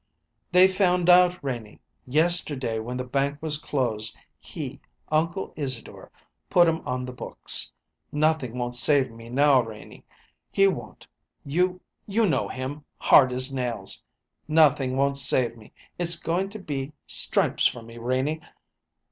"They found out, Renie. Yesterday, when the bank was closed, he Uncle Isadore put 'em on the books. Nothing won't save me now, Renie. He won't; you you know him hard as nails! Nothing won't save me. It's going to be stripes for me, Renie.